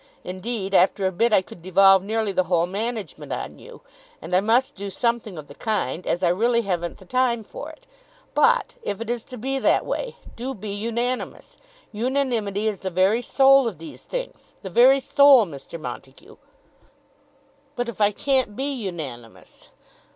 Indeed, after a bit I could devolve nearly the whole management on you; and I must do something of the kind, as I really haven't the time for it. But, if it is to be that way, do be unanimous. Unanimity is the very soul of these things; the very soul, Mr. Montague." "But if I can't be unanimous?"